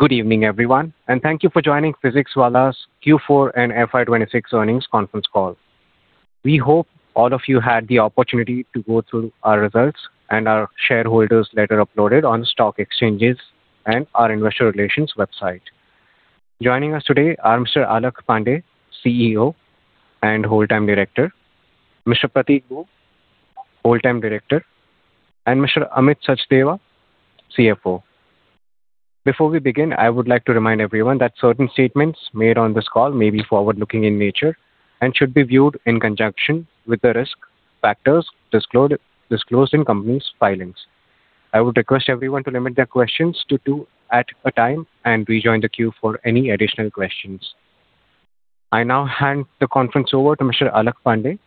Good evening, everyone. Thank you for joining PhysicsWallah's Q4 and FY 2026 earnings conference call. We hope all of you had the opportunity to go through our results and our shareholders letter uploaded on stock exchanges and our investor relations website. Joining us today are Mr. Alakh Pandey, CEO and Wholetime Director, Mr. Prateek Boob, Wholetime Director, and Mr. Amit Sachdeva, CFO. Before we begin, I would like to remind everyone that certain statements made on this call may be forward-looking in nature and should be viewed in conjunction with the risk factors disclosed in company's filings. I would request everyone to limit their questions to two at a time and rejoin the queue for any additional questions. I now hand the conference over to Mr. Alakh Pandey.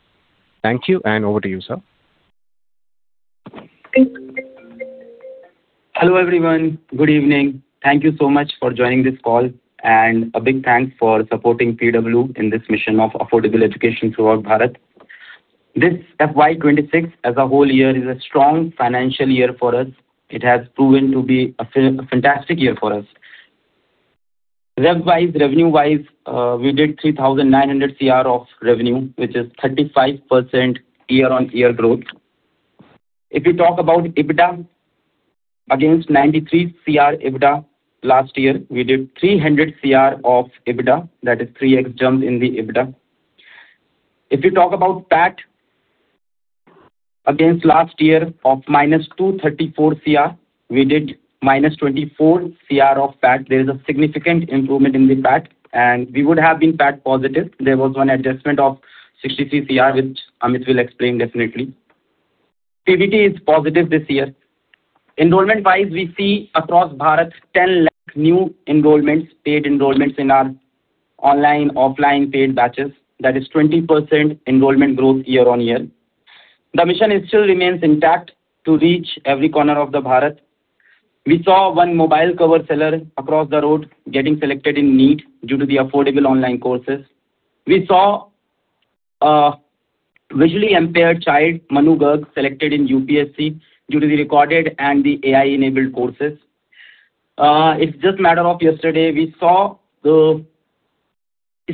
Thank you. Over to you, sir. Hello, everyone. Good evening. Thank you so much for joining this call, and a big thanks for supporting PW in this mission of affordable education throughout Bharat. This FY 2026 as a whole year is a strong financial year for us. It has proven to be a fantastic year for us. Revenue-wise, we did 3,900 crore of revenue, which is 35% year-over-year growth. If you talk about EBITDA against 93 crore EBITDA last year, we did 300 crore of EBITDA. That is 3x jump in the EBITDA. If you talk about PAT against last year of -234 crore, we did -24 crore of PAT. There is a significant improvement in the PAT, and we would have been PAT positive. There was one adjustment of 63 crore, which Amit will explain definitely. PBT is positive this year. Enrollment-wise, we see across Bharat 10 lakh new enrollments, paid enrollments in our online/offline paid batches. That is 20% enrollment growth year-on-year. The mission still remains intact to reach every corner of the Bharat. We saw one mobile cover seller across the road getting selected in NEET due to the affordable online courses. We saw a visually impaired child, Manu Garg, selected in UPSC due to the recorded and the AI-enabled courses. It's just matter of yesterday, we saw the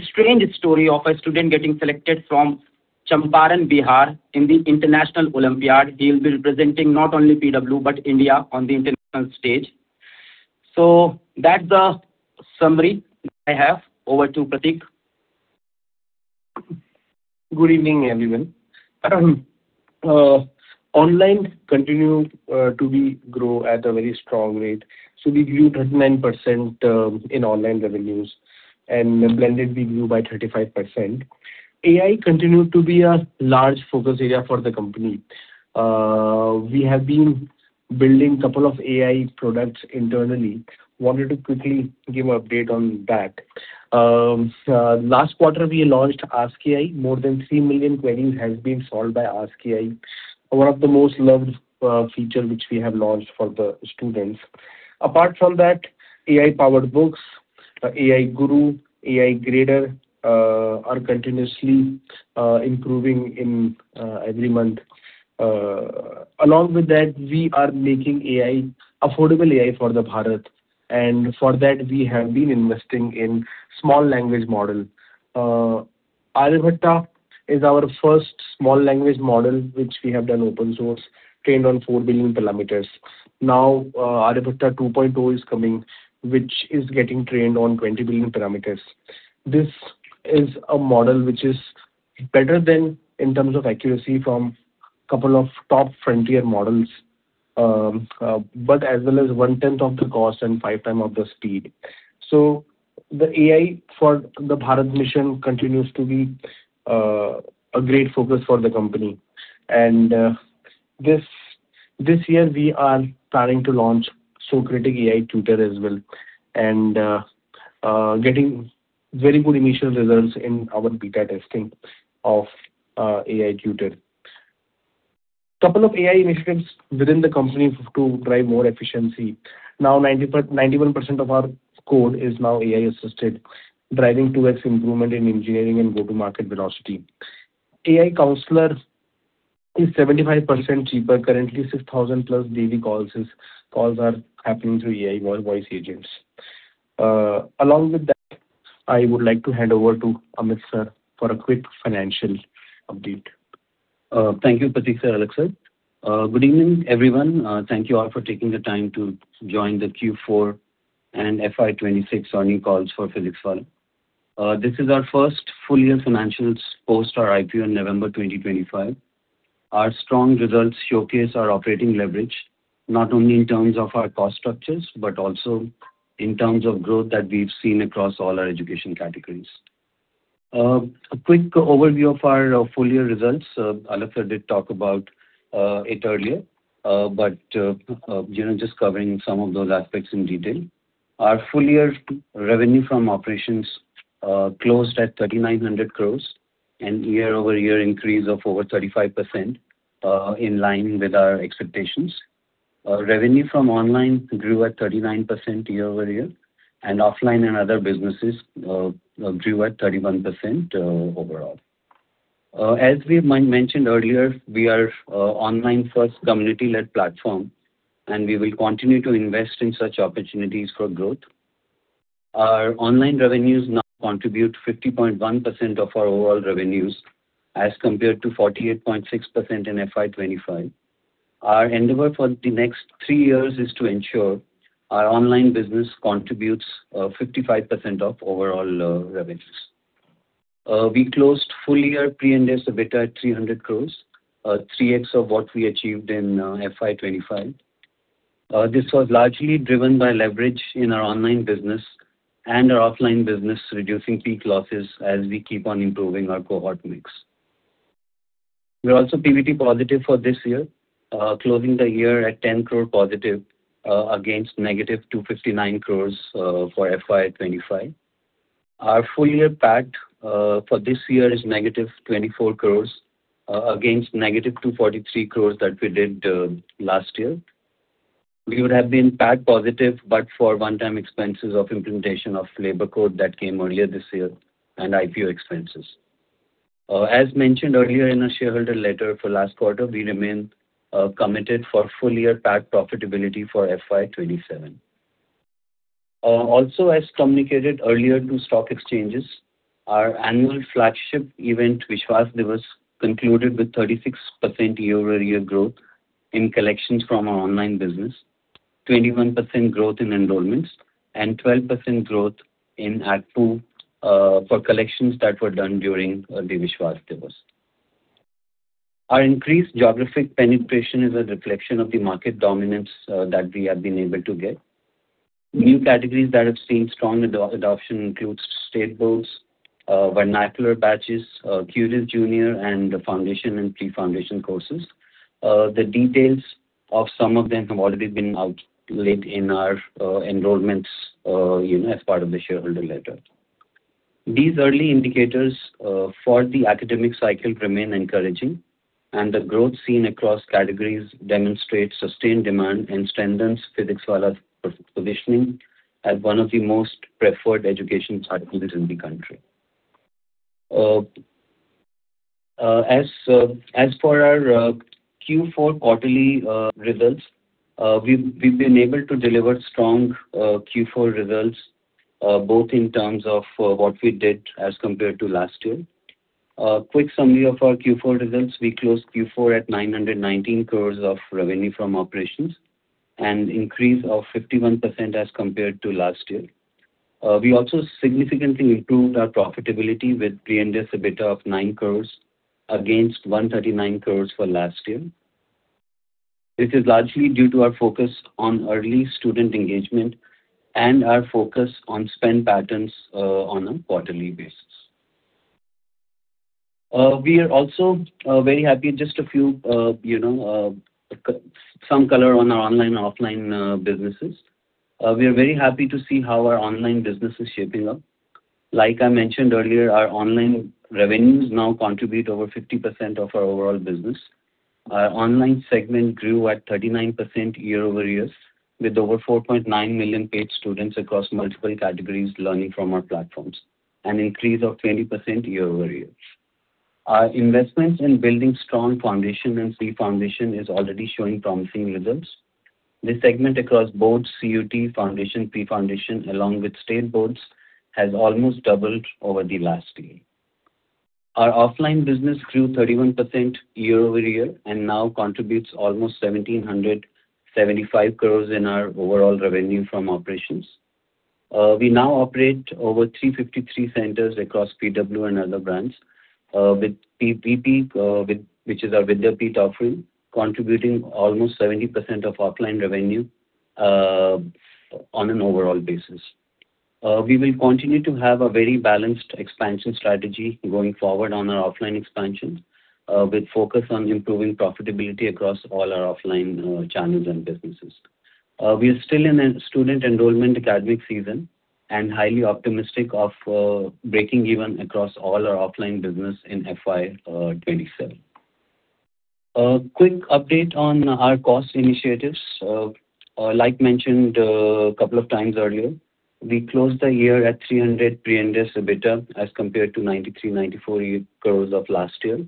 strange story of a student getting selected from Champaran, Bihar in the International Olympiad. He'll be representing not only PW but India on the international stage. That's the summary I have. Over to Prateek. Good evening, everyone. Online continued to grow at a very strong rate. We grew 39% in online revenues, and blended we grew by 35%. AI continued to be a large focus area for the company. We have been building couple of AI products internally. Wanted to quickly give an update on that. Last quarter, we launched Ask AI. More than 3 million queries has been solved by Ask AI. One of the most loved feature which we have launched for the students. Apart from that, AI Books, AI Guru, AI Grader are continuously improving in every month. Along with that, we are making affordable AI for the Bharat, and for that, we have been investing in small language model. Aryabhata is our first small language model, which we have done open source, trained on 4 billion parameters. Aryabhata 2.0 is coming, which is getting trained on 20 billion parameters. This is a model which is better than, in terms of accuracy, from couple of top frontier models, but as well as one tenth of the cost and five times of the speed. The AI for the Bharat mission continues to be a great focus for the company. This year we are planning to launch Socratic AI Tutor as well, and getting very good initial results in our beta testing of AI Tutor. Couple of AI initiatives within the company to drive more efficiency. 91% of our code is now AI-assisted, driving 2X improvement in engineering and go-to-market velocity. AI Counselor is 75% cheaper. Currently, 6,000+ daily calls are happening through AI voice agents. I would like to hand over to Amit, sir, for a quick financial update. Thank you, Prateek sir, Alakh sir. Good evening, everyone. Thank you all for taking the time to join the Q4 and FY 2026 earnings calls for PhysicsWallah. This is our first full year financials post our IPO in November 2025. Our strong results showcase our operating leverage, not only in terms of our cost structures, but also in terms of growth that we've seen across all our education categories. A quick overview of our full year results. Alakh sir did talk about it earlier, but just covering some of those aspects in detail. Our full year revenue from operations closed at 3,900 crore, a year-over-year increase of over 35%, in line with our expectations. Revenue from online grew at 39% year-over-year, and offline and other businesses grew at 31% overall. As we mentioned earlier, we are online-first community-led platform, and we will continue to invest in such opportunities for growth. Our online revenues now contribute 50.1% of our overall revenues as compared to 48.6% in FY 2025. Our endeavor for the next three years is to ensure our online business contributes 55% of overall revenues. We closed full year pre-interest EBITDA at 300 crores, 3x of what we achieved in FY 2025. This was largely driven by leverage in our online business and our offline business, reducing peak losses as we keep on improving our cohort mix. We are also PBT positive for this year, closing the year at 10 crore positive, against -259 crore for FY 2025. Our full year PAT for this year is -24 crores, against -243 crores that we did last year. We would have been PAT positive, but for one-time expenses of implementation of labor code that came earlier this year and IPO expenses. As mentioned earlier in our shareholder letter for last quarter, we remain committed for full year PAT profitability for FY 2027. Also, as communicated earlier to stock exchanges, our annual flagship event, Vishwas Diwas, concluded with 36% year-over-year growth in collections from our online business, 21% growth in enrollments, and 12% growth in ARPU for collections that were done during the Vishwas Diwas. Our increased geographic penetration is a reflection of the market dominance that we have been able to get. New categories that have seen strong adoption includes state boards, vernacular batches, CuriousJr, and the foundation and pre-foundation courses. The details of some of them have already been outlined in our enrollments as part of the shareholder letter. These early indicators for the academic cycle remain encouraging, and the growth seen across categories demonstrates sustained demand and strengthens PhysicsWallah's positioning as one of the most preferred education platforms in the country. Our Q4 quarterly results, we've been able to deliver strong Q4 results, both in terms of what we did as compared to last year. A quick summary of our Q4 results. We closed Q4 at 919 crores of revenue from operations, an increase of 51% as compared to last year. We also significantly improved our profitability with pre-interest EBITDA of 9 crores against 139 crores for last year. This is largely due to our focus on early student engagement and our focus on spend patterns on a quarterly basis. We are also very happy, just some color on our online/offline businesses. We are very happy to see how our online business is shaping up. Like I mentioned earlier, our online revenues now contribute over 50% of our overall business. Our online segment grew at 39% year-over-year, with over 4.9 million paid students across multiple categories learning from our platforms, an increase of 20% year-over-year. Our investments in building strong foundation and pre-foundation is already showing promising results. This segment across boards, CUET foundation, pre-foundation, along with state boards, has almost doubled over the last year. Our offline business grew 31% year-over-year and now contributes almost 1,775 crores in our overall revenue from operations. We now operate over 353 centers across PW and other brands, with PBP, which is our Vidyapeeth offering, contributing almost 70% of offline revenue on an overall basis. We will continue to have a very balanced expansion strategy going forward on our offline expansion, with focus on improving profitability across all our offline channels and businesses. We are still in a student enrollment academic season and highly optimistic of breaking even across all our offline business in FY 2027. A quick update on our cost initiatives. Mentioned a couple of times earlier, we closed the year at 300 crores pre-interest EBITDA as compared to 93-94 crores of last year.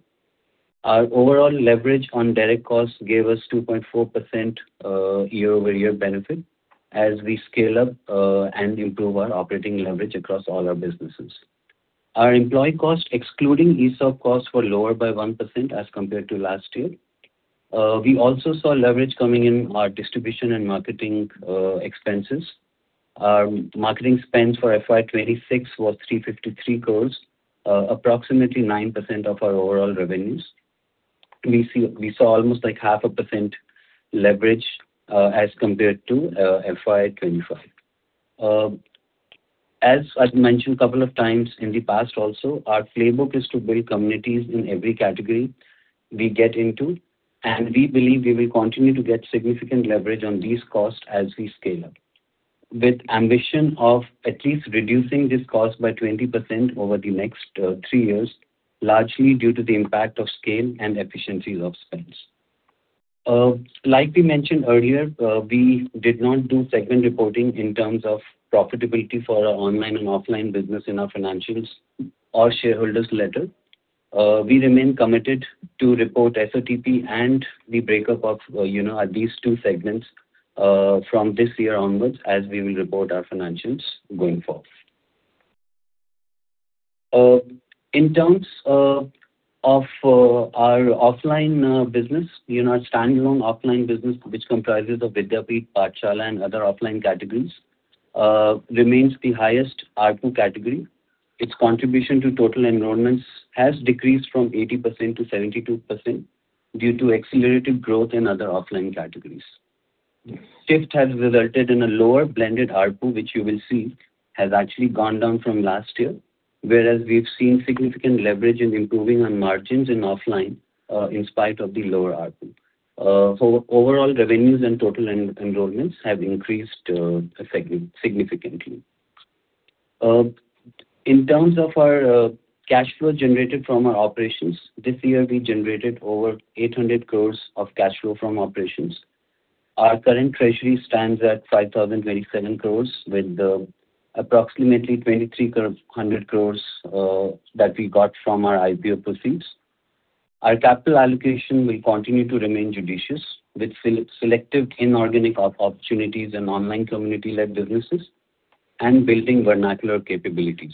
Our overall leverage on direct costs gave us 2.4% year-over-year benefit as we scale up and improve our operating leverage across all our businesses. Our employee costs, excluding ESOP costs, were lower by 1% as compared to last year. We also saw leverage coming in our distribution and marketing expenses. Our marketing spends for FY 2026 was 353 crore, approximately 9% of our overall revenues. We saw almost like 0.5% leverage as compared to FY 2025. As I mentioned a couple of times in the past also, our playbook is to build communities in every category we get into, and we believe we will continue to get significant leverage on these costs as we scale up. With ambition of at least reducing this cost by 20% over the next three years, largely due to the impact of scale and efficiencies of spends. We mentioned earlier, we did not do segment reporting in terms of profitability for our online and offline business in our financials or shareholders letter. We remain committed to report SOTP and the breakup of these two segments from this year onwards, as we will report our financials going forward. In terms of our offline business, our standalone offline business, which comprises of Vidyapeeth, Pathshala, and other offline categories, remains the highest ARPU category. Its contribution to total enrollments has decreased from 80% to 72% due to accelerated growth in other offline categories. This shift has resulted in a lower blended ARPU, which you will see has actually gone down from last year, whereas we've seen significant leverage in improving on margins in offline, in spite of the lower ARPU. Overall, revenues and total enrollments have increased significantly. In terms of our cash flow generated from our operations, this year we generated over 800 crores of cash flow from operations. Our current treasury stands at 5,027 crores, with approximately 2,300 crores that we got from our IPO proceeds. Our capital allocation will continue to remain judicious with selective inorganic opportunities in online community-led businesses and building vernacular capabilities.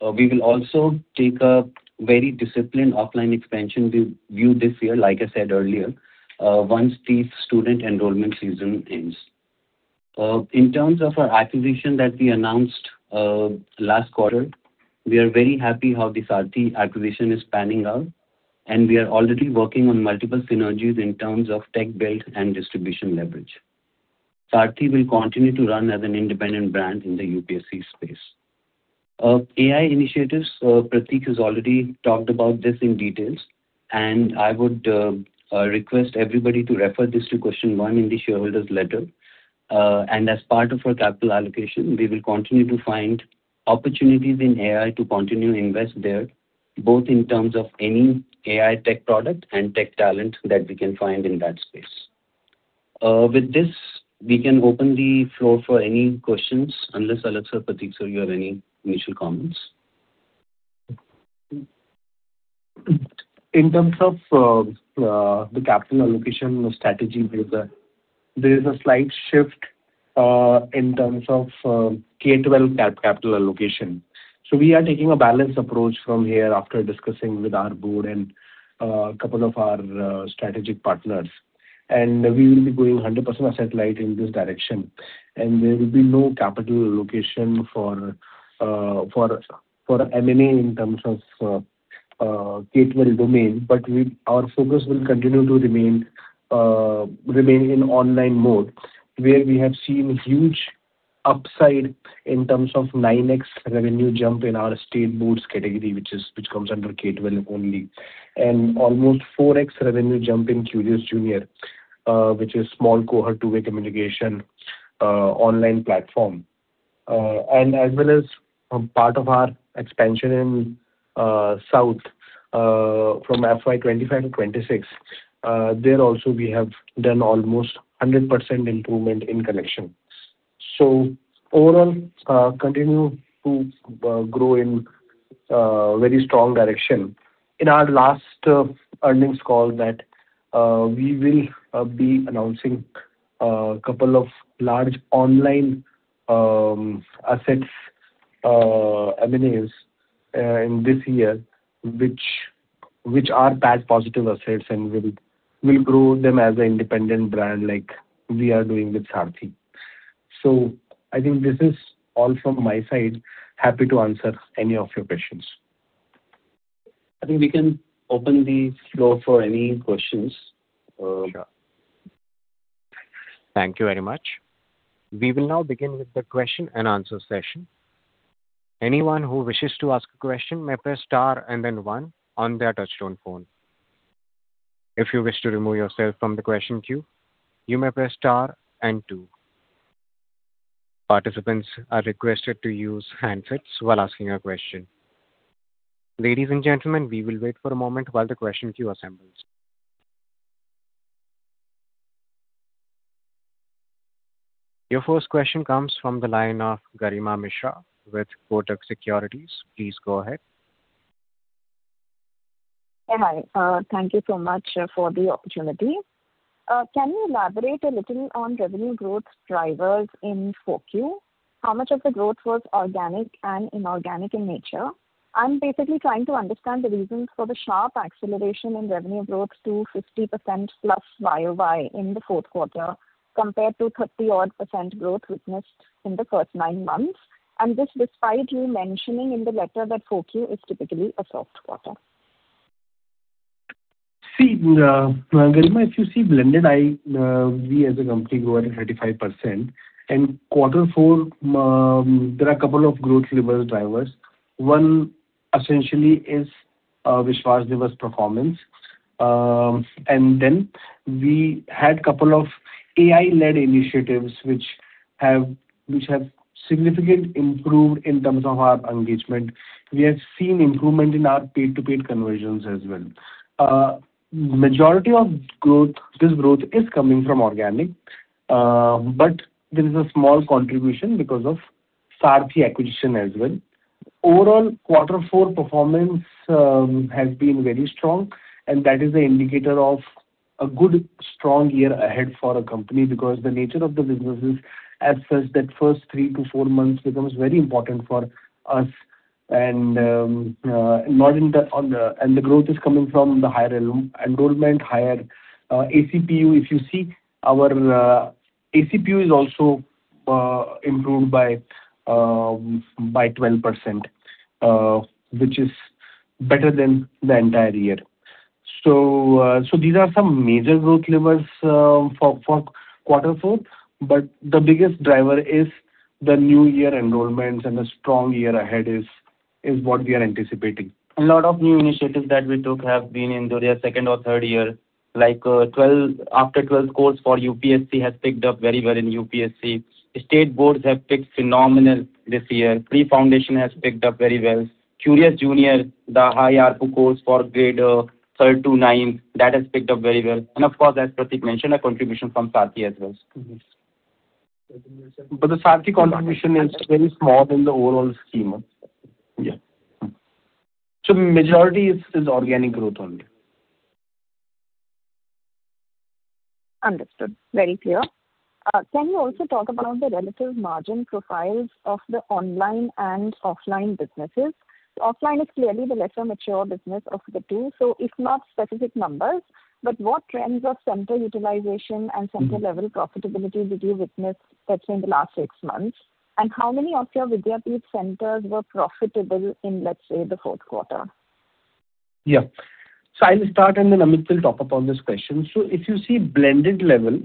We will also take a very disciplined offline expansion view this year, like I said earlier, once the student enrollment season ends. In terms of our acquisition that we announced last quarter, we are very happy how the Saarthi acquisition is panning out, and we are already working on multiple synergies in terms of tech build and distribution leverage. Saarthi will continue to run as an independent brand in the UPSC space. AI initiatives, Prateek has already talked about this in details, and I would request everybody to refer this to question one in the shareholders' letter. As part of our capital allocation, we will continue to find opportunities in AI to continue to invest there, both in terms of any AI tech product and tech talent that we can find in that space. With this, we can open the floor for any questions, unless Alakh or Prateek sir you have any initial comments. In terms of the capital allocation strategy, there is a slight shift in terms of K-12 capital allocation. We are taking a balanced approach from here after discussing with our board and a couple of our strategic partners. We will be going 100% asset light in this direction. There will be no capital allocation for M&A in terms of K-12 domain. Our focus will continue to remain in online mode, where we have seen huge upside in terms of 9x revenue jump in our state boards category, which comes under K-12 only. Almost 4x revenue jump in CuriousJr, which is small cohort, two-way communication online platform. As well as part of our expansion in South from FY 2025 to 2026. There also, we have done almost 100% improvement in connection. Overall, continue to grow in very strong direction. In our last earnings call that we will be announcing a couple of large online assets, M&As in this year, which are PAT positive assets, and we'll grow them as an independent brand like we are doing with Saarthi. I think this is all from my side. Happy to answer any of your questions. I think we can open the floor for any questions. Sure. Thank you very much. We will now begin with the question-and-answer session. Your first question comes from the line of Garima Mishra with Kotak Securities. Please go ahead. Hi. Thank you so much for the opportunity. Can you elaborate a little on revenue growth drivers in 4Q? How much of the growth was organic and inorganic in nature? I'm basically trying to understand the reasons for the sharp acceleration in revenue growth to 50% plus YoY in the fourth quarter, compared to 30%-odd growth witnessed in the first nine months. This despite you mentioning in the letter that 4Q is typically a soft quarter. See, Garima, if you see blended, we as a company grew at 35%. In quarter four, there are a couple of growth drivers. One essentially is Vishwas's performance. We had couple of AI-led initiatives which have significantly improved in terms of our engagement. We have seen improvement in our paid-to-paid conversions as well. Majority of this growth is coming from organic, but there is a small contribution because of Saarthi acquisition as well. Overall, quarter four performance has been very strong, and that is the indicator of a good, strong year ahead for our company because the nature of the businesses as such, that first three to four months becomes very important for us. The growth is coming from the higher enrollment, higher ACPU. If you see, our ACPU is also improved by 12%, which is better than the entire year. These are some major growth levers for quarter four. The biggest driver is the new year enrollments and a strong year ahead is what we are anticipating. A lot of new initiatives that we took have been in their second or third year. Like 12 after 12 course for UPSC has picked up very well in UPSC. State boards have picked phenomenal this year. Pre-Foundation has picked up very well. CuriousJr, the higher course for Grades of 3 to 9, that has picked up very well. Of course, as Prateek mentioned, a contribution from Saarthi as well. The Saarthi contribution is very small in the overall scheme of. Yeah. Majority is organic growth only. Understood. Very clear. Can you also talk about the relative margin profiles of the online and offline businesses? Offline is clearly the lesser mature business of the two, so if not specific numbers, but what trends of center utilization and center level profitability did you witness, let's say in the last six months? How many of your Vidyapeeth centers were profitable in, let's say, the fourth quarter? I'll start, and then Amit will top up on this question. If you see blended level,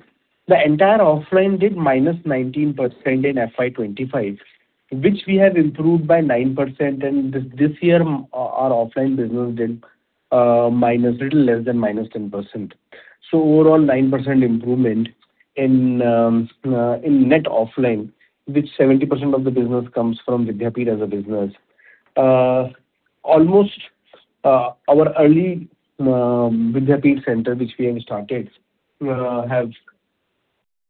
the entire offline did -19% in FY 2025, which we have improved by 9% and this year our offline business did little less than -10%. Overall 9% improvement in net offline, which 70% of the business comes from Vidyapeeth as a business. Almost our early Vidyapeeth center, which we have started,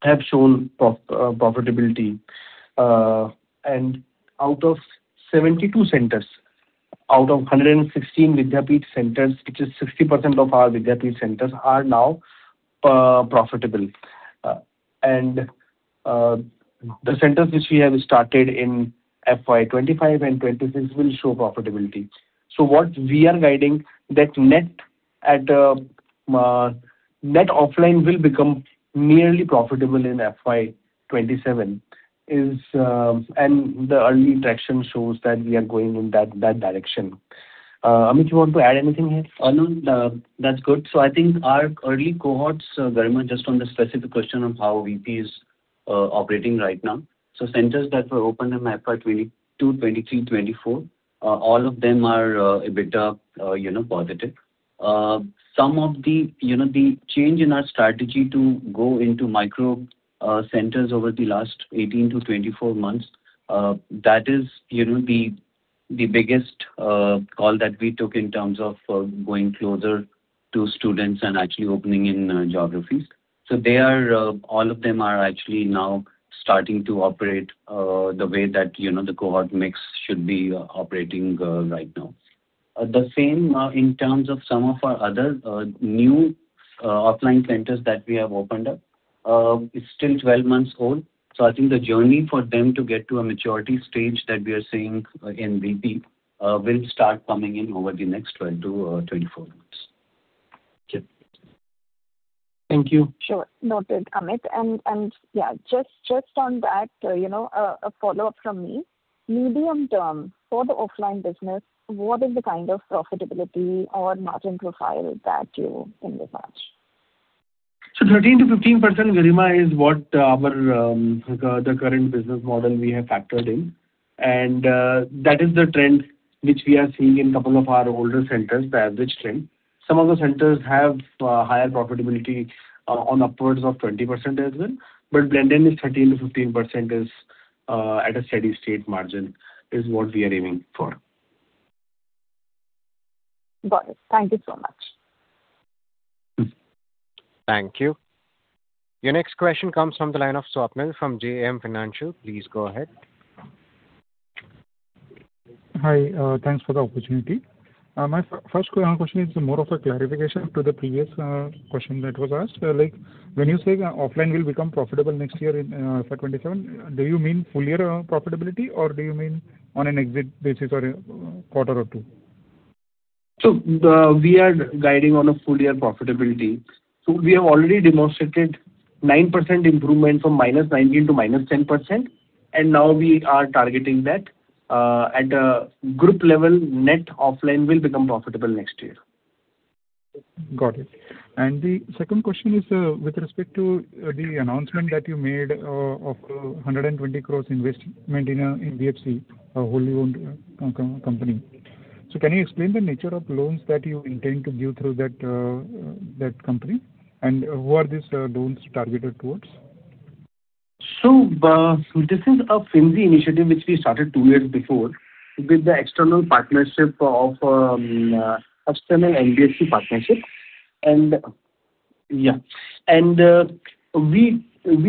have shown profitability. Out of 72 centers, out of 116 Vidyapeeth centers, which is 60% of our Vidyapeeth centers, are now profitable. The centers which we have started in FY 2025 and 2026 will show profitability. What we are guiding that net offline will become nearly profitable in FY 2027. The early traction shows that we are going in that direction. Amit, you want to add anything here? [inaudible] That's good. I think our early cohorts, Garima, just on the specific question of how VP is operating right now. Centers that were opened in FY 2022, 2023, 2024, all of them are a bit positive. Some of the change in our strategy to go into micro centers over the last 18-24 months, that is the biggest call that we took in terms of going closer to students and actually opening in geographies. All of them are actually now starting to operate the way that the cohort mix should be operating right now. The same in terms of some of our other new offline centers that we have opened up. It's still 12 months old, so I think the journey for them to get to a maturity stage that we are seeing in VP will start coming in over the next 12 to 24 months. Thank you. Sure. Noted, Amit. Yeah, just on that, a follow-up from me. Medium term for the offline business, what is the kind of profitability or margin profile that you envisage? 13%-15%, Garima, is what the current business model we have factored in. That is the trend which we are seeing in couple of our older centers, the average trend. Some of the centers have higher profitability on upwards of 20% as well. Blending is 13%-15% is at a steady state margin, is what we are aiming for. Got it. Thank you so much. Thank you. Your next question comes from the line of Swapnil from JM Financial. Please go ahead. Hi. Thanks for the opportunity. My first question is more of a clarification to the previous question that was asked. When you say offline will become profitable next year in FY 2027, do you mean full year profitability or do you mean on an exit basis or a quarter or two? We are guiding on a full year profitability. We have already demonstrated 9% improvement from -19% to -10%. Now we are targeting that at a group level, net offline will become profitable next year. Got it. The second question is with respect to the announcement that you made of 120 crores investment in NBFC, a wholly owned company. Can you explain the nature of loans that you intend to give through that company? Who are these loans targeted towards? This is a FinZ initiative which we started two years before with the external partnership of [inaudible] and NBFC partnership. We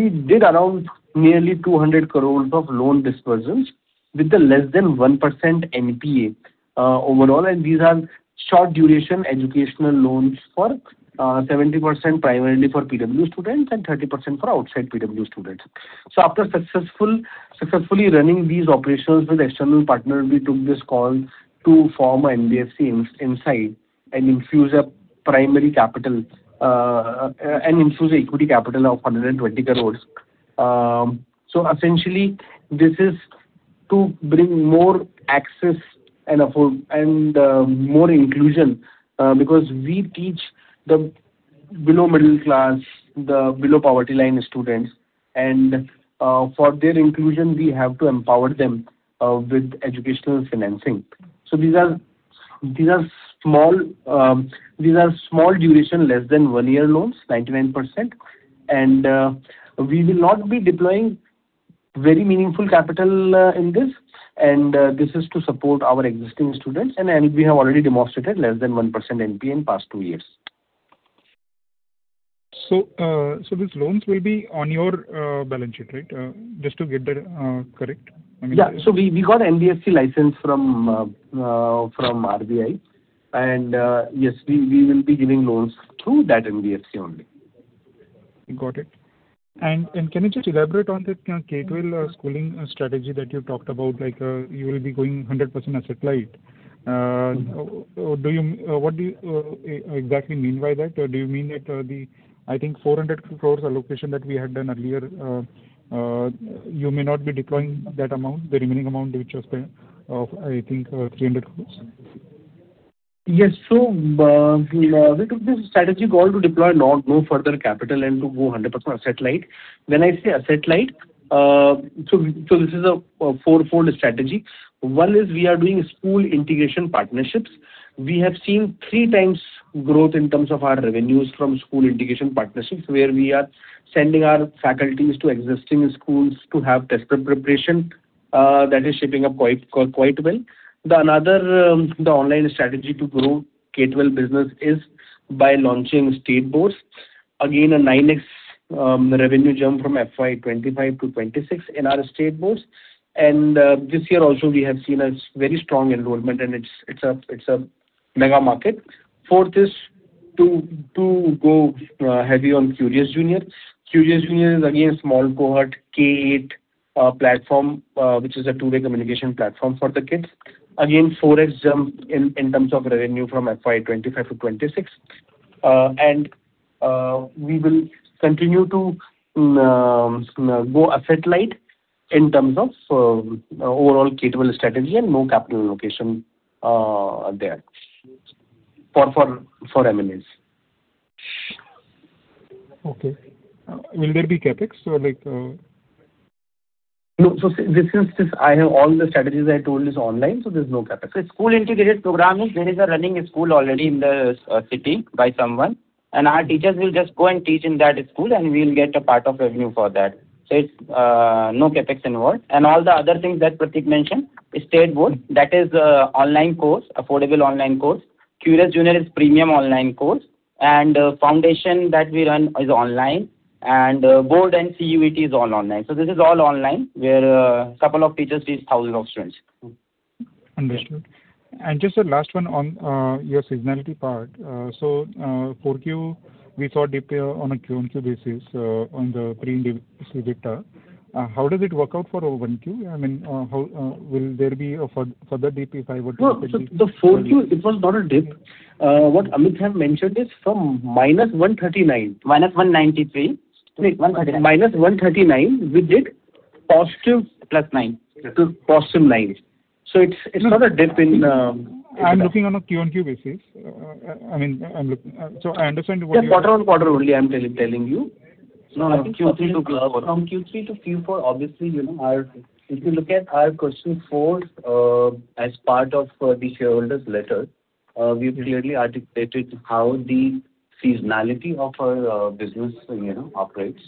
did around nearly 200 crores of loan disbursements with less than 1% NPA overall. These are short duration educational loans for 70% primarily for PW students and 30% for outside PW students. After successfully running these operations with external partner, we took this call to form a NBFC inside and infuse a primary capital, and infuse equity capital of 120 crores. Essentially, this is to bring more access and more inclusion, because we teach the below middle class, the below poverty line students and for their inclusion, we have to empower them with educational financing. These are small duration, less than one year loans, 99%. We will not be deploying very meaningful capital in this. This is to support our existing students, and we have already demonstrated less than 1% NPA in past two years. These loans will be on your balance sheet, right? Just to get that correct. Yeah. We got NBFC license from RBI and yes, we will be giving loans through that NBFC only. Got it. Can you just elaborate on that K-12 schooling strategy that you talked about, like you will be going 100% asset-light. What do you exactly mean by that? Do you mean that the, I think 400 crores allocation that we had done earlier, you may not be deploying that amount, the remaining amount which was there of, I think, 300 crores? Yes. We took this strategic call to deploy no further capital and to go 100% asset-light. When I say asset-light, this is a fourfold strategy. One is we are doing school integration partnerships. We have seen 3x growth in terms of our revenues from school integration partnerships, where we are sending our faculties to existing schools to have test prep preparation. That is shaping up quite well. The online strategy to grow K-12 business is by launching state boards. Again, a 9x revenue jump from FY 2025 to 2026 in our state boards. This year also we have seen a very strong enrollment and it's a mega market. Fourth is to go heavy on CuriousJr. CuriousJr is again, a small cohort K8 platform, which is a two-way communication platform for the kids. Again, 4x jump in terms of revenue from FY 2025 to 2026. We will continue to go asset-light in terms of overall K-12 strategy and no capital allocation there for M&As. Okay. Will there be CapEx? No. Since I have all the strategies I told is online, there's no CapEx. School integrated program is where is a running school already in the city by someone, our teachers will just go and teach in that school, we'll get a part of revenue for that. It's no CapEx involved. All the other things that Prateek mentioned, state board, that is a online course, affordable online course. CuriousJr is premium online course, foundation that we run is online, board and CUET is all online. This is all online, where couple of teachers teach thousands of students. Understood. Just the last one on your seasonality part. 4Q, we saw dip on a QoQ basis on the pre-indiv's EBITDA. How does it work out for 1Q? I mean, will there be a further dip? No. The 4Q, it was not a dip. What Amit have mentioned is from -139. -193. No, 139. -139, we did positive- Plus nine. Positive nine. It's not a dip. I'm looking on a QoQ basis. I mean, I understand. Yeah, quarter-on-quarter only I'm telling you. From Q3 to Q4, obviously, if you look at our question four as part of the shareholder's letter, we've clearly articulated how the seasonality of our business operates.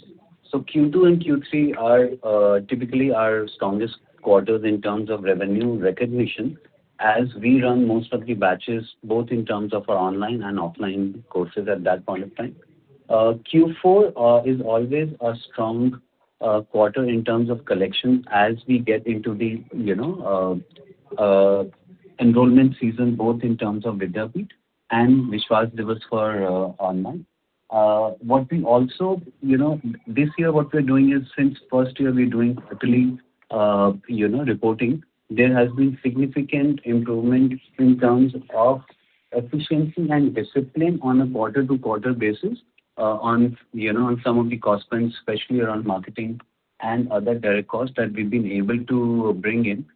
Q2 and Q3 are typically our strongest quarters in terms of revenue recognition, as we run most of the batches, both in terms of our online and offline courses at that point of time. Q4 is always a strong quarter in terms of collection as we get into the enrollment season, both in terms of Vidyapeeth and Vishwas for online. This year what we're doing is since first year we're doing quarterly reporting. There has been significant improvement in terms of efficiency and discipline on a quarter-over-quarter basis on some of the cost spend, especially around marketing and other direct costs that we've been able to bring in.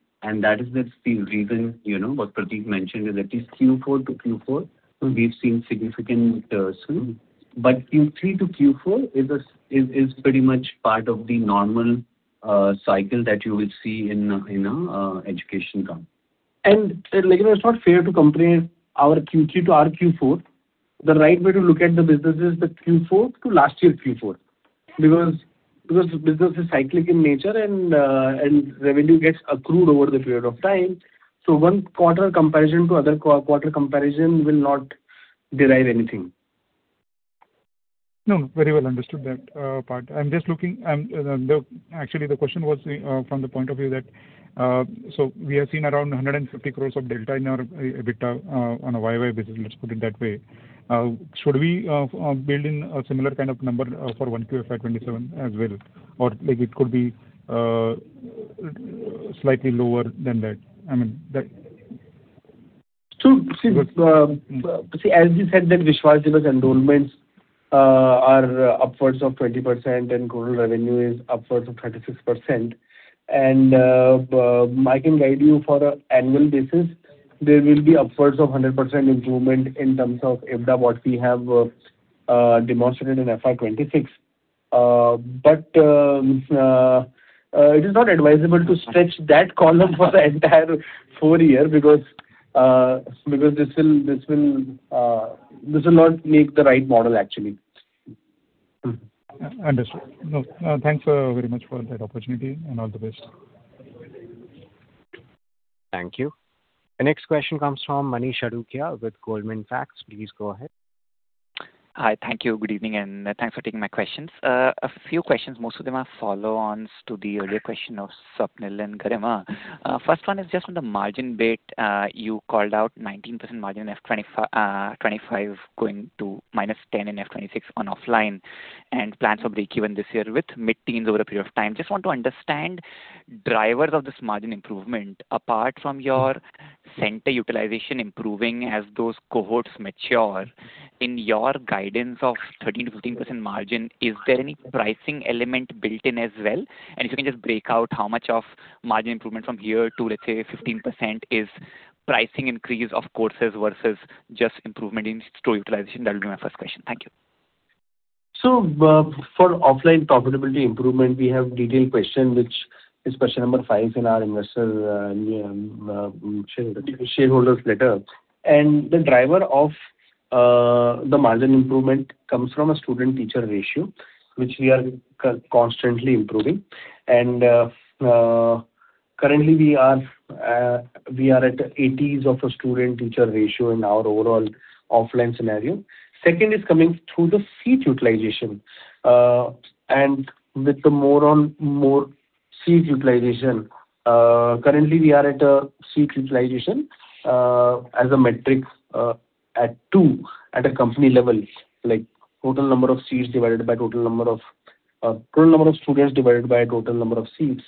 That is the reason what Prateek mentioned, is at least Q4 to Q4, we've seen significant slew. Q3 to Q4 is pretty much part of the normal cycle that you will see in education curve. It's not fair to compare our Q3 to our Q4. The right way to look at the business is the Q4 to last year's Q4. The business is cyclic in nature, and revenue gets accrued over the period of time. One quarter comparison to other quarter comparison will not derive anything. Very well understood that part. Actually, the question was from the point of view that, we are seeing around 150 crores of delta in our EBITDA on a YoY basis, let's put it that way. Should we build in a similar kind of number for 1Q FY 2027 as well? It could be slightly lower than that? See, as we said that Vishwas educational enrollments are upwards of 20% and total revenue is upwards of 36%. I can guide you for an annual basis. There will be upwards of 100% improvement in terms of EBITDA, what we have demonstrated in FY 2026. It is not advisable to stretch that column for the entire full year because this will not make the right model, actually. Understood. Thanks very much for that opportunity, and all the best. Thank you. The next question comes from Manish Adukia with Goldman Sachs. Please go ahead. Hi. Thank you. Good evening, and thanks for taking my questions. A few questions, most of them are follow-ons to the earlier question of Swapnil and Garima. First one is just on the margin bit. You called out 19% margin in FY 2025 going to -10% in FY 2026 on offline, and plans for breakeven this year with mid-teens over a period of time. Just want to understand drivers of this margin improvement. Apart from your center utilization improving as those cohorts mature, in your guidance of 13%-15% margin, is there any pricing element built in as well? If you can just break out how much of margin improvement from here to, let's say, 15% is pricing increase of courses versus just improvement in store utilization. That will be my first question. Thank you. For offline profitability improvement, we have detailed question, which is question number five in our investor shareholders letter. The driver of the margin improvement comes from a student-teacher ratio, which we are constantly improving. Currently, we are at the 80s of a student-teacher ratio in our overall offline scenario. Second is coming through the seat utilization. With the more on more seat utilization, currently we are at a seat utilization as a metric at 2 at a company level. Like total number of students divided by total number of seats,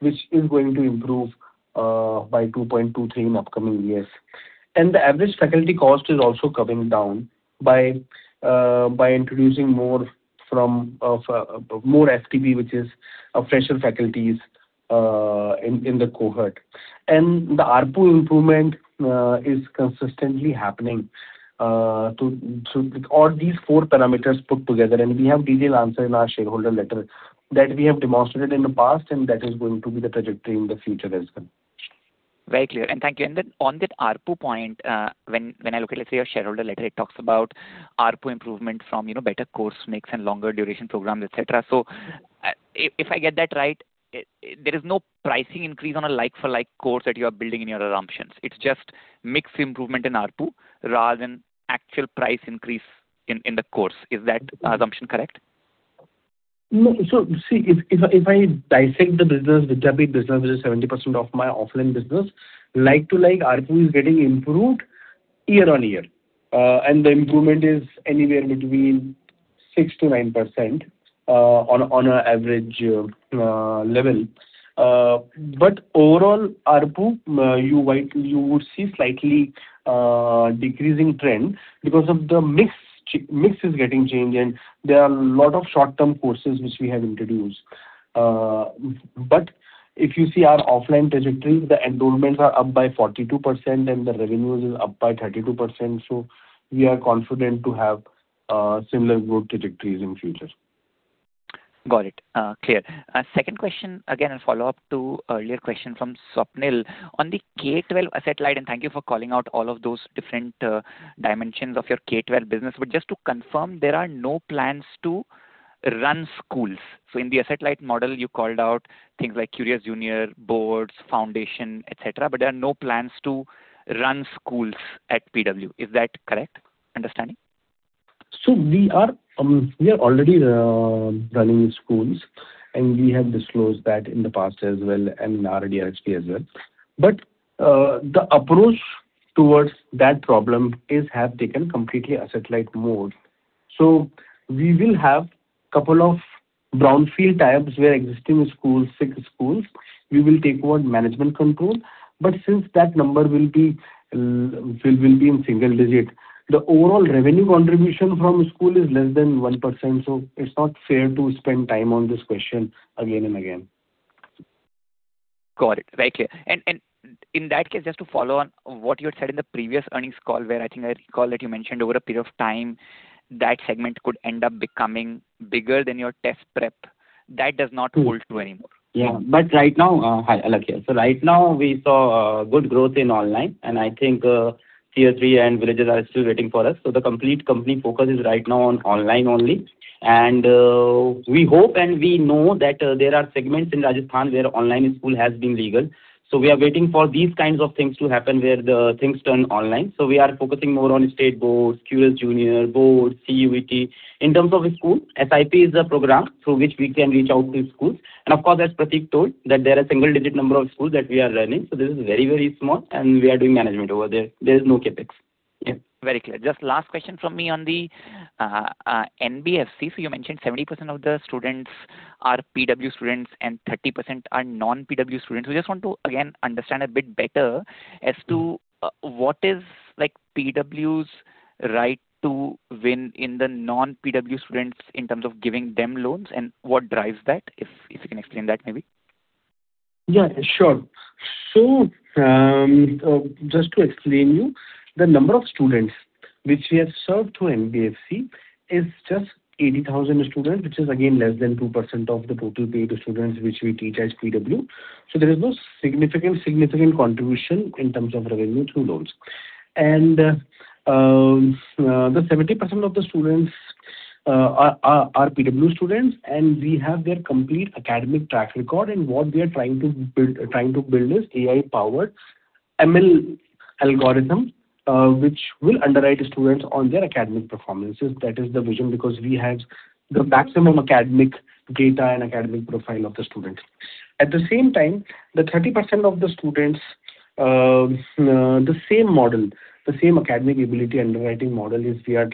which is going to improve by 2.23 in upcoming years. The average faculty cost is also coming down by introducing more FTB, which is fresher faculties in the cohort. The ARPU improvement is consistently happening. All these four parameters put together, and we have detailed answer in our shareholder letter that we have demonstrated in the past, and that is going to be the trajectory in the future as well. Very clear. Thank you. On that ARPU point, when I look at, let's say, your shareholder letter, it talks about ARPU improvement from better course mix and longer duration programs, et cetera. If I get that right, there is no pricing increase on a like-for-like course that you are building in your assumptions. It's just mix improvement in ARPU rather than actual price increase in the course. Is that assumption correct? No. See, if I dissect the business, which are big business, which is 70% of my offline business, like-to-like ARPU is getting improved year-on-year. The improvement is anywhere between 6%-9% on a average level. Overall ARPU, you would see slightly decreasing trend because of the mix is getting changed, and there are a lot of short-term courses which we have introduced. If you see our offline trajectory, the enrollments are up by 42% and the revenues is up by 32%. We are confident to have similar growth trajectories in future. Got it. Clear. Second question, again, a follow-up to earlier question from Swapnil. On the K12 asset-light, thank you for calling out all of those different dimensions of your K12 business. Just to confirm, there are no plans to run schools. In the asset-light model, you called out things like CuriousJr, boards, foundation, et cetera. There are no plans to run schools at PW. Is that correct understanding? We are already running schools, and we have disclosed that in the past as well, and in our DRHP as well. The approach towards that problem is have taken completely asset-light mode. We will have couple of brownfield tie-ups where existing schools, six schools, we will take over management control. Since that number will be in single digit, the overall revenue contribution from school is less than 1%, so it's not fair to spend time on this question again and again. Got it. Very clear. In that case, just to follow on what you had said in the previous earnings call, where I think I recall that you mentioned over a period of time, that segment could end up becoming bigger than your test prep. That does not hold true anymore? Hi, Alakh here. Right now we saw good growth in online, and I think tier 3 and villages are still waiting for us. The complete company focus is right now on online only. We hope, and we know that there are segments in Rajasthan where online school has been legal. We are waiting for these kinds of things to happen where the things turn online. We are focusing more on state boards, CuriousJr, board, CUET. In terms of school, SIP is a program through which we can reach out to schools. Of course, as Prateek told, that there are single-digit number of schools that we are running. This is very, very small, and we are doing management over there. There is no CapEx. Yeah. Very clear. Just last question from me on the NBFC. You mentioned 70% of the students are PW students and 30% are non-PW students. We just want to, again, understand a bit better as to what is PW's right to win in the non-PW students in terms of giving them loans, and what drives that? If you can explain that, maybe. Yeah, sure. Just to explain you, the number of students which we have served through NBFC is just 80,000 students, which is again less than 2% of the total paid students which we teach as PW. There is no significant contribution in terms of revenue through loans. The 70% of the students are PW students, and we have their complete academic track record. What we are trying to build is AI-powered ML algorithm, which will underwrite students on their academic performances. That is the vision, because we have the maximum academic data and academic profile of the students. At the same time, the 30% of the students, the same model, the same academic ability underwriting model we are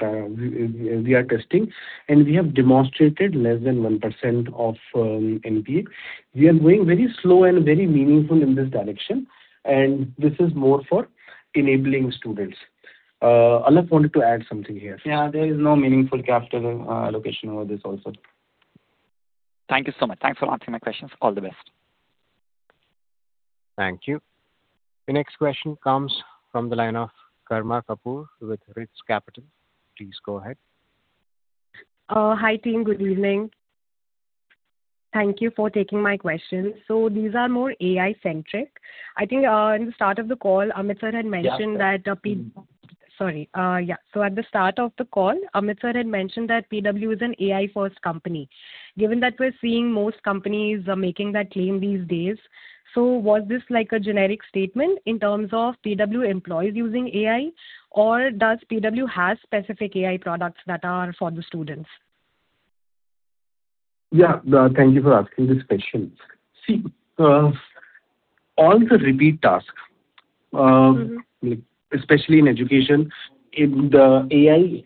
testing. We have demonstrated less than 1% of NPA. We are going very slow and very meaningful in this direction, and this is more for enabling students. Alakh wanted to add something here. Yeah. There is no meaningful capital allocation over this also. Thank you so much. Thanks for answering my questions. All the best. Thank you. The next question comes from the line of [Karma Kapoor] with Rits Capital. Please go ahead. Hi, team. Good evening. Thank you for taking my question. These are more AI-centric. I think in the start of the call, Amit sir had mentioned that- Yeah. Sorry. Yeah. At the start of the call, Amit sir had mentioned that PW is an AI-first company. Given that we're seeing most companies are making that claim these days, was this like a generic statement in terms of PW employees using AI, or does PW have specific AI products that are for the students? Yeah. Thank you for asking this question. See, all the repeat tasks, especially in education, the AI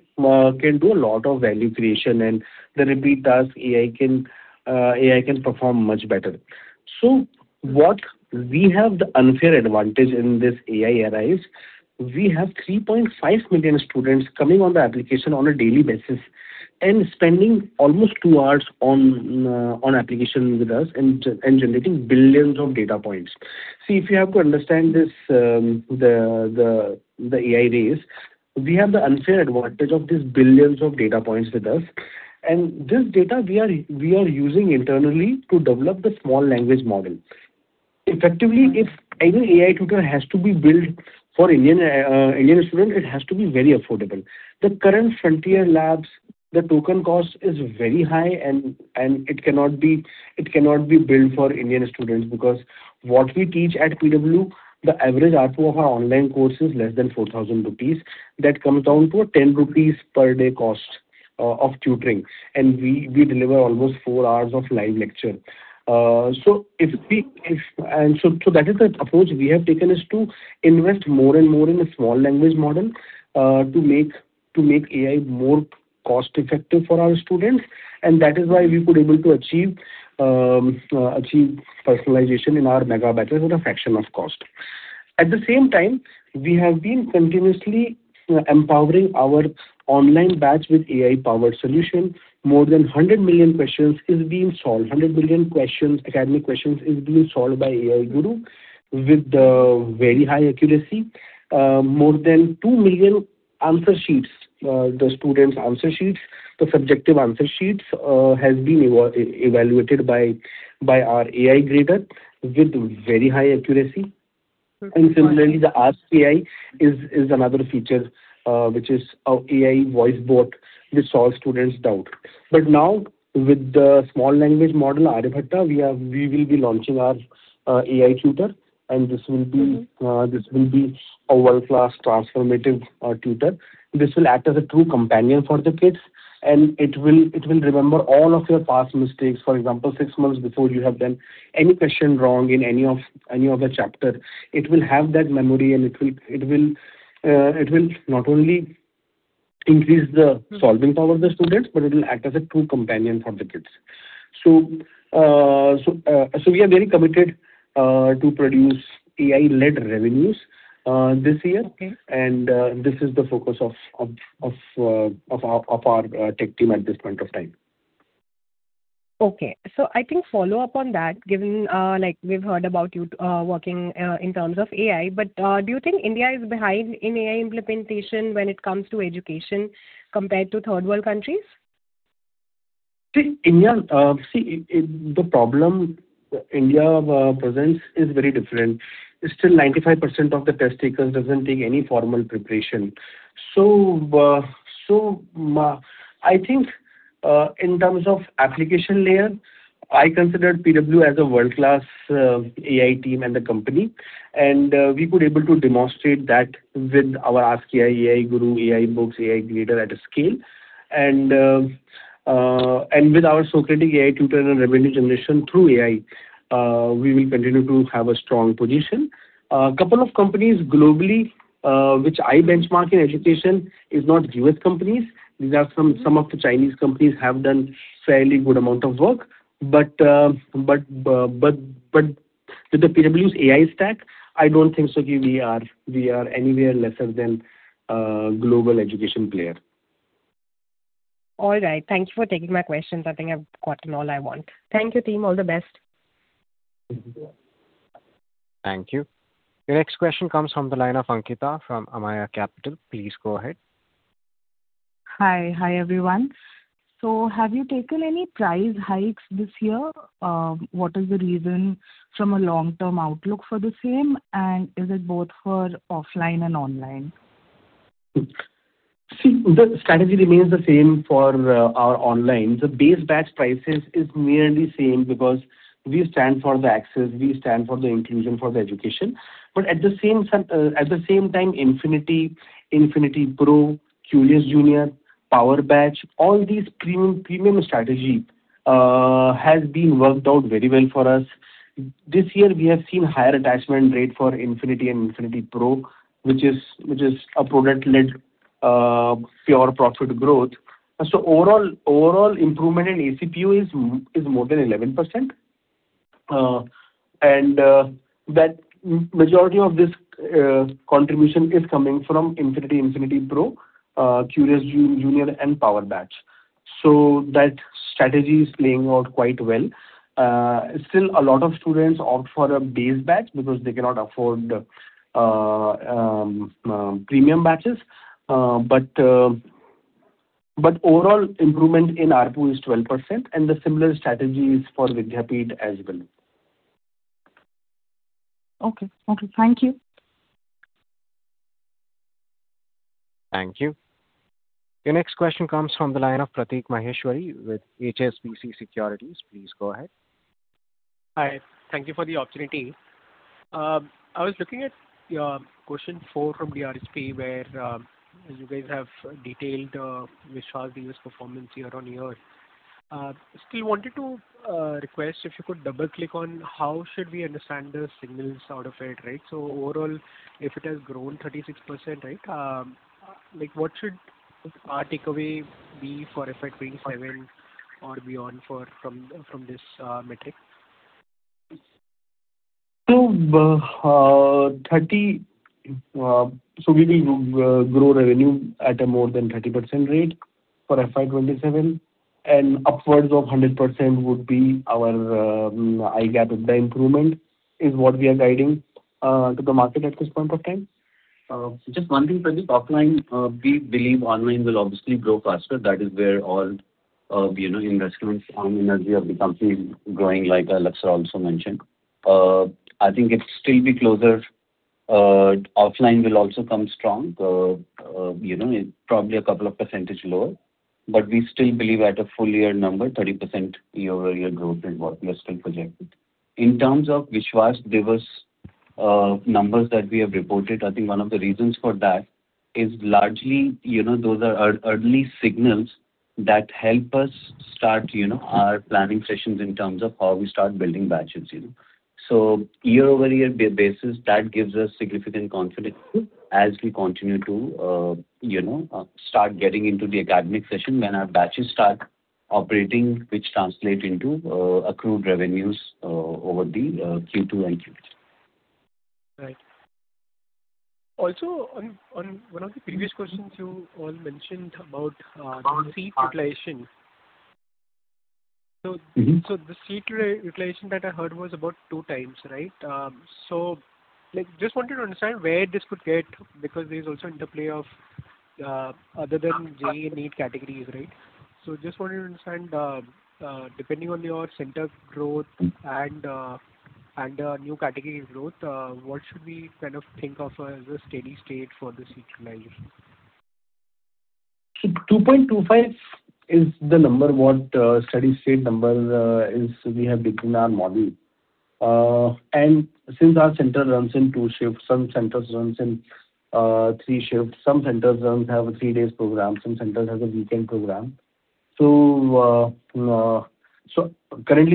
can do a lot of value creation. The repeat task AI can perform much better. What we have the unfair advantage in this AI era is we have 3.5 million students coming on the application on a daily basis and spending almost two hours on application with us, and generating billions of data points. See, if you have to understand the AI race, we have the unfair advantage of these billions of data points with us. This data we are using internally to develop the small language model. Effectively, if any AI tutor has to be built for Indian student, it has to be very affordable. The current frontier labs, the token cost is very high. It cannot be built for Indian students because what we teach at PW, the average ARPU of our online course is less than 4,000 rupees. That comes down to a 10 rupees per day cost of tutoring. We deliver almost four hours of live lecture. That is the approach we have taken, is to invest more and more in a small language model, to make AI more cost-effective for our students. That is why we could able to achieve personalization in our mega batches at a fraction of cost. At the same time, we have been continuously empowering our online batch with AI-powered solution. More than 100 million questions is being solved. 100 million academic questions is being solved by AI Guru with very high accuracy. More than 2 million answer sheets, the students' answer sheets, the subjective answer sheets, has been evaluated by our AI Grader with very high accuracy. Similarly, the Ask AI is another feature, which is our AI voice bot which solves students' doubt. Now, with the small language model Aryabhata, we will be launching our AI Tutor, and this will be a world-class transformative tutor. This will act as a true companion for the kids, and it will remember all of your past mistakes. For example, six months before you have done any question wrong in any of the chapter, it will have that memory, and it will not only increase the solving power of the students, but it will act as a true companion for the kids. We are very committed to produce AI-led revenues this year. Okay. This is the focus of our tech team at this point of time. I think follow up on that, given we've heard about you working in terms of AI. Do you think India is behind in AI implementation when it comes to education compared to third world countries? See, the problem India presents is very different. Still 95% of the test takers doesn't take any formal preparation. I think in terms of application layer, I consider PW as a world-class AI team and a company. We were able to demonstrate that with our Ask AI Guru, AI Books, AI Grader at a scale. With our Socratic AI Tutor and revenue generation through AI, we will continue to have a strong position. A couple of companies globally, which I benchmark in education, is not U.S. companies. These are some of the Chinese companies have done fairly good amount of work. With the PW's AI stack, I don't think so we are anywhere lesser than a global education player. All right. Thank you for taking my questions. I think I've gotten all I want. Thank you, team. All the best. Thank you. Thank you. Your next question comes from the line of Ankita from Amaya Capital. Please go ahead. Hi. Hi, everyone. Have you taken any price hikes this year? What is the reason from a long-term outlook for the same, and is it both for offline and online? The strategy remains the same for our online. The base batch prices is merely same because we stand for the access, we stand for the inclusion for the education. At the same time, Infinity Pro, CuriousJr, Power Batch, all these premium strategy has been worked out very well for us. This year, we have seen higher attachment rate for Infinity and Infinity Pro, which is a product-led pure profit growth. Overall improvement in ACPU is more than 11%. That majority of this contribution is coming from Infinity Pro, CuriousJr, and Power Batch. That strategy is playing out quite well. Still, a lot of students opt for a base batch because they cannot afford premium batches. Overall improvement in ARPU is 12%, and the similar strategy is for Vidyapeeth as well. Okay. Thank you. Thank you. Your next question comes from the line of Prateek Maheshwari with HSBC Securities. Please go ahead. Hi. Thank you for the opportunity. I was looking at your question four from DRHP where you guys have detailed Vishwas Diwas performance year-on-year. Still wanted to request if you could double-click on how should we understand the signals out of it, right? Overall, if it has grown 36%, what should our takeaway be for FY 2027 or beyond from this metric? We will grow revenue at a more than 30% rate for FY 2027, and upwards of 100% would be our EBITDA. The improvement is what we are guiding to the market at this point of time. Just one thing, Prateek. Offline, we believe online will obviously grow faster. That is where all investments and energy of the company is going, like Alakh also mentioned. I think it'll still be closer. Offline will also come strong, probably a couple of percentage lower. We still believe at a full year number, 30% year-over-year growth is what we are still projecting. In terms of Vishwas Diwas numbers that we have reported, I think one of the reasons for that is largely those are early signals that help us start our planning sessions in terms of how we start building batches. Year-over-year basis, that gives us significant confidence as we continue to start getting into the academic session when our batches start operating, which translate into accrued revenues over the Q2 and Q3. Right. On one of the previous questions you all mentioned about seat utilization. The seat utilization that I heard was about 2x, right? Just wanted to understand where this could get, because there's also interplay of other than JEE and NEET categories, right? Just wanted to understand, depending on your center growth and new category growth, what should we think of as a steady state for the seat utilization? 2.25 is the number, what steady state number is we have built in our model. Since our center runs in two shifts, some centers runs in three shifts, some centers have a three days program, some centers have a weekend program. Currently we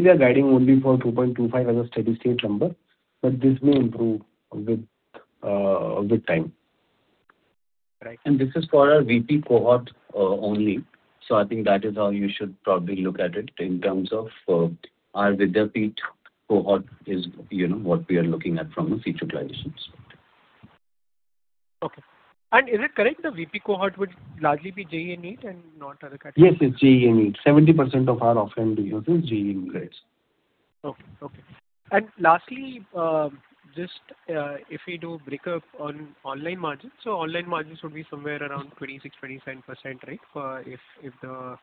are guiding only for 2.25 as a steady state number, but this may improve with time. Right. This is for our VP cohort only. I think that is how you should probably look at it in terms of our Vidyapeeth cohort is what we are looking at from a seat utilizations. Okay. Is it correct the VP cohort would largely be JEE NEET and not other categories? Yes, JEE NEET. 70% of our offline we have is JEE NEET. Okay. Lastly, if we do break up on online margins, online margins would be somewhere around 26%, 27%, right? If the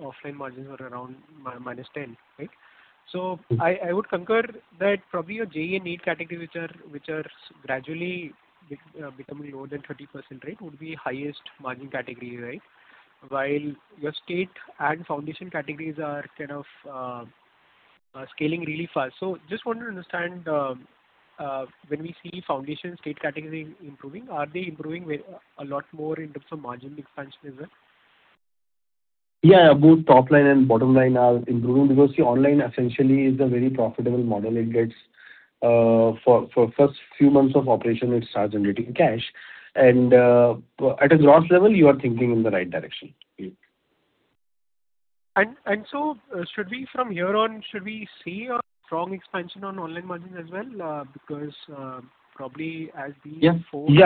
offline margins were around -10%, right? I would concur that probably your JEE NEET category, which are gradually becoming more than 30%, right, would be highest margin category, right? While your state and foundation categories are kind of scaling really fast. Just want to understand, when we see foundation state category improving, are they improving a lot more in terms of margin expansion as well? Both top line and bottom line are improving because online essentially is a very profitable model. For first few months of operation, it starts generating cash. At a gross level, you are thinking in the right direction. From here on, should we see a strong expansion on online margins as well? Yeah.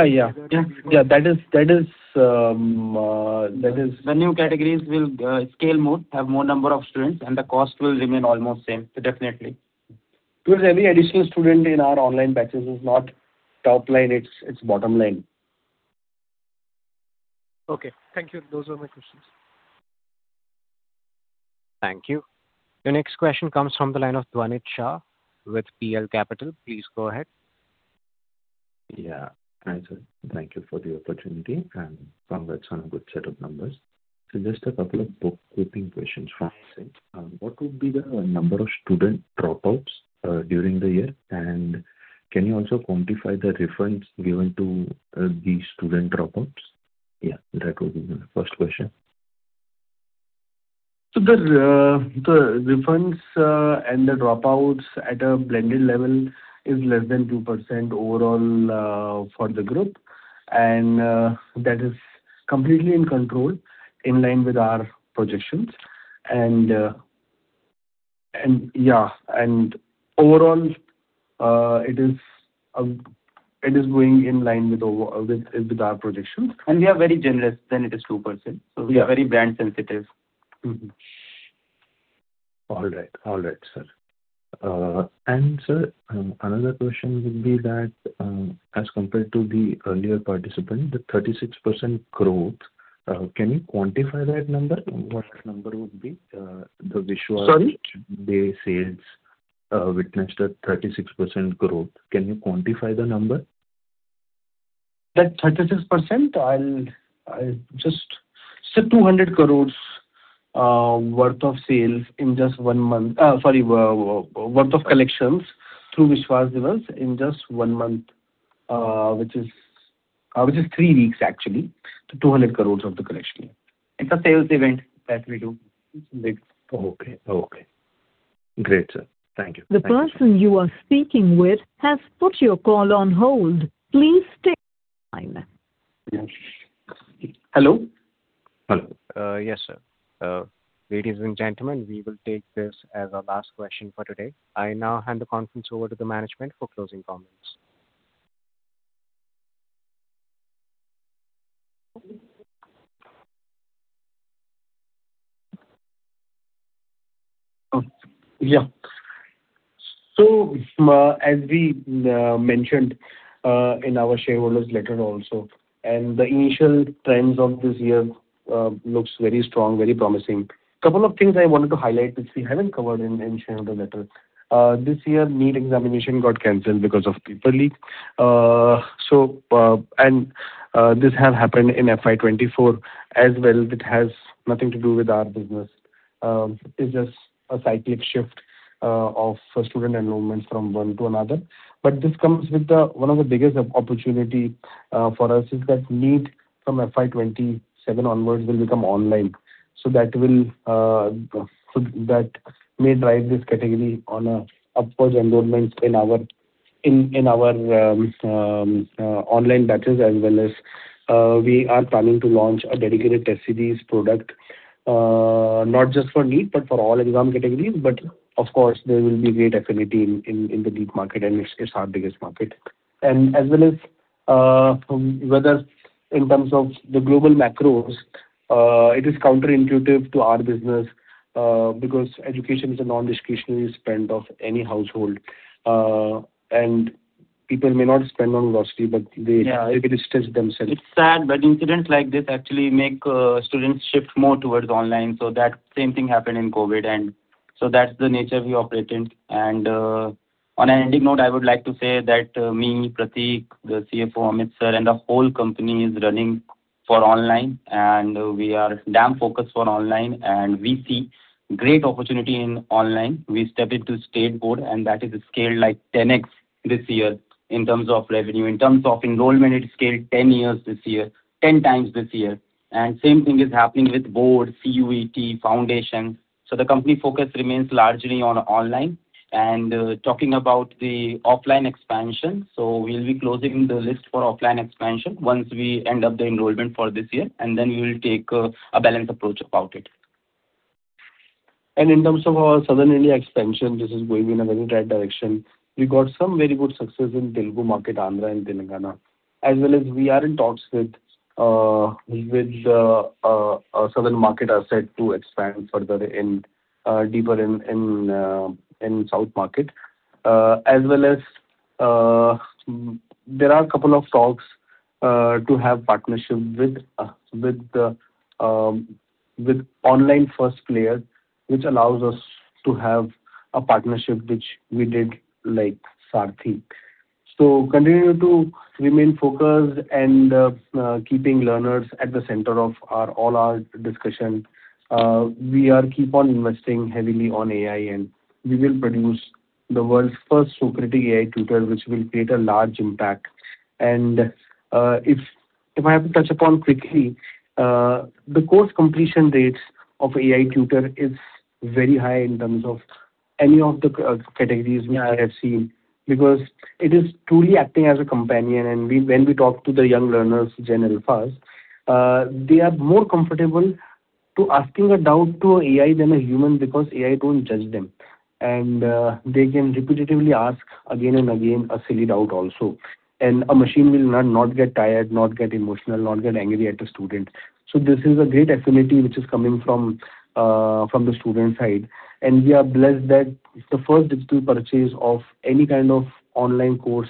Yeah. Yeah. The new categories will scale more, have more number of students, and the cost will remain almost same. Definitely. Every additional student in our online batches is not top line, it's bottom line. Okay. Thank you. Those were my questions. Thank you. Your next question comes from the line of Dhvanit Shah with PL Capital. Please go ahead. Yeah. Hi, sir. Thank you for the opportunity, and congrats on a good set of numbers. Just a couple of book-keeping questions from my side. What would be the number of student dropouts during the year? Can you also quantify the refunds given to these student dropouts? Yeah, that would be my first question. The refunds and the dropouts at a blended level is less than 2% overall for the group. That is completely in control, in line with our projections. Overall, it is going in line with our projections. We are very generous than it is 2%. Yeah. We are very brand sensitive. All right, sir. Sir, another question would be that, as compared to the earlier participant, the 36% growth, can you quantify that number? What that number would be? The Vishwas- Sorry? Diwas sales witnessed a 36% growth. Can you quantify the number? That 36%, I'll just say 200 crores worth of sales in just one month. Sorry, worth of collections through Vishwas Diwas in just one month, which is three weeks actually. 200 crores of the collection. It's a sales event that we do. Okay. Great, sir. Thank you. The person you are speaking with has put your call on hold. Please stay on line. Hello? Hello. Yes, sir. Ladies and gentlemen, we will take this as our last question for today. I now hand the conference over to the management for closing comments. Yeah. As we mentioned, in our shareholder letter also, the initial trends of this year looks very strong, very promising. Couple of things I wanted to highlight, which we haven't covered in shareholder letter. This year, NEET examination got canceled because of paper leak. This has happened in FY 2024 as well. It has nothing to do with our business. It's just a cyclic shift of student enrollment from one to another. This comes with one of the biggest opportunity for us, is that NEET from FY 2027 onwards will become online. That may drive this category on upwards enrollment in our online batches as well as we are planning to launch a dedicated test series product, not just for NEET, but for all exam categories. Of course, there will be great affinity in the NEET market, and it's our biggest market. As well as whether in terms of the global macros, it is counterintuitive to our business, because education is a non-discretionary spend of any household. People may not spend on luxury. Yeah will restrain themselves. It's sad, but incidents like this actually make students shift more towards online. That same thing happened in COVID, and so that's the nature we operate in. On an ending note, I would like to say that me, Prateek, the CFO, Amit sir, and the whole company is running for online, and we are damn focused on online, and we see great opportunity in online. We stepped into state board, and that is scaled like 10x this year in terms of revenue. In terms of enrollment, it scaled 10x this year. Same thing is happening with board, CUET, foundation. The company focus remains largely on online. Talking about the offline expansion, so we'll be closing the list for offline expansion once we end up the enrollment for this year, and then we will take a balanced approach about it. In terms of our Southern India expansion, this is going in a very right direction. We got some very good success in Telugu market, Andhra and Telangana. We are in talks with Southern market asset to expand further deeper in South market. There are a couple of talks to have partnership with online-first player, which allows us to have a partnership which we did, like Saarthi. Continue to remain focused and keeping learners at the center of all our discussion. We keep on investing heavily on AI, and we will produce the world's first Socratic AI Tutor, which will create a large impact. If I have to touch upon quickly, the course completion rates of AI Tutor is very high in terms of any of the categories I have seen, because it is truly acting as a companion. When we talk to the young learners generally, they are more comfortable asking a doubt to AI than a human, because AI doesn't judge them. They can repetitively ask again and again a silly doubt also. A machine will not get tired, not get emotional, not get angry at the student. This is a great affinity which is coming from the student side. We are blessed that the first digital purchase of any kind of online course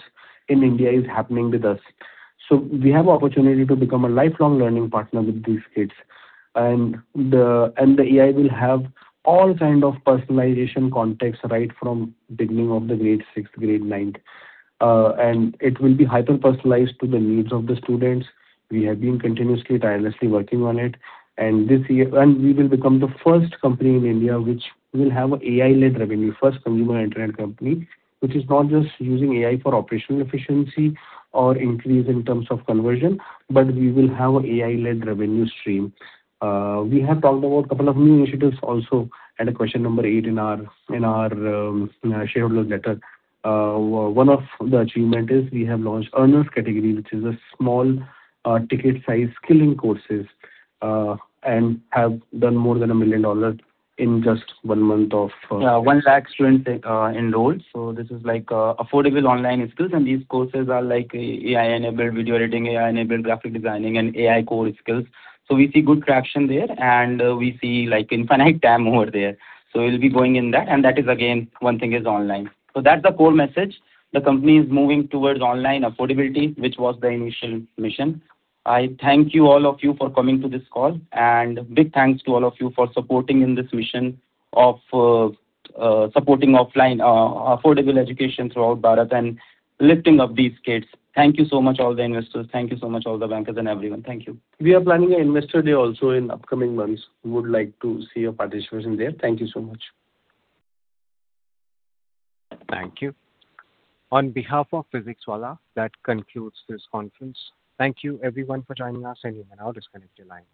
in India is happening with us. We have opportunity to become a lifelong learning partner with these kids. The AI will have all kind of personalization context right from beginning of the Grade 6 to Grade 9. It will be hyper-personalized to the needs of the students. We have been continuously, tirelessly working on it. We will become the first company in India which will have AI-led revenue, first consumer internet company, which is not just using AI for operational efficiency or increase in terms of conversion, but we will have AI-led revenue stream. We have talked about couple of new initiatives also at question number eight in our shareholder letter. One of the achievement is we have launched earners category, which is a small ticket size skilling courses, and have done more than $1 million in just one month. Yeah, 1 lakh students enrolled. This is affordable online skills, and these courses are AI-enabled video editing, AI-enabled graphic designing, and AI core skills. We see good traction there, and we see infinite TAM over there. We'll be going in that, and that is again, one thing is online. That's the core message. The company is moving towards online affordability, which was the initial mission. I thank you all of you for coming to this call, and big thanks to all of you for supporting in this mission of supporting offline affordable education throughout Bharat and lifting up these kids. Thank you so much all the investors, thank you so much all the bankers and everyone. Thank you. We are planning an investor day also in upcoming months. We would like to see your participation there. Thank you so much. Thank you. On behalf of PhysicsWallah, that concludes this conference. Thank you everyone for joining us, and you may now disconnect your line.